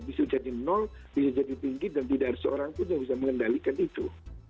bisa jadi bisa jadi tinggi dan tidak ada seorang pun yang bisa mengendalikan itu